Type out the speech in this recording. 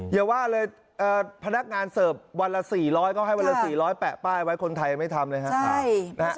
อย่าว่าเลยพนักงานเสิร์ฟ๑ละ๔๐๐ก็ให้๔ล้อยแปะไปคนไทยยังไม่ทำนะครับ